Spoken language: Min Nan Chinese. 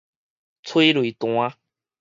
催淚彈